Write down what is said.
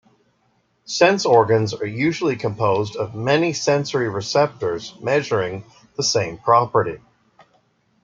Sense organs are usually composed of many sensory receptors measuring the same property.